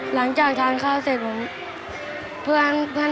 หลังจากทานข้าวเสร็จผม